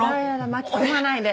巻き込まないで。